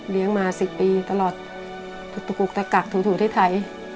เลี้ยงมาสิบปีตลอดถูกตกลุกแต่กักถูทูที่ไทย